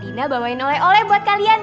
di bawahin oleh oleh buat kalian